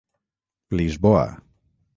Lisboa.